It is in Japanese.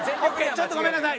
ちょっとごめんなさい。